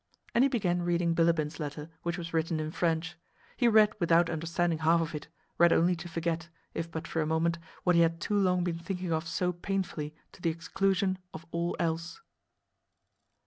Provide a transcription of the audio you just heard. And he began reading Bilíbin's letter which was written in French. He read without understanding half of it, read only to forget, if but for a moment, what he had too long been thinking of so painfully to the exclusion of all else.